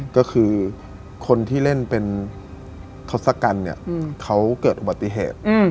ก็คือคนที่เล่นเป็นทศกัณฐ์เนี่ยเขาเกิดอุบัติเหตุ